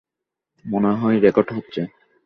মনে হয় রেকর্ড হচ্ছে।